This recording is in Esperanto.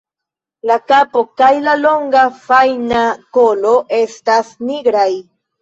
La kapo kaj la longa, fajna kolo estas nigraj.